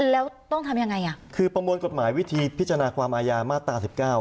แล้วต้องทำยังไงอ่ะคือประมวลกฎหมายวิธีพิจารณาความอายามาตราสิบเก้า